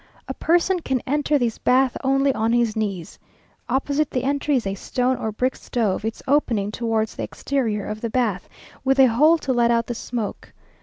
A person can enter this bath only on his knees. Opposite the entry is a stone or brick stove, its opening towards the exterior of the bath, with a hole to let out the smoke.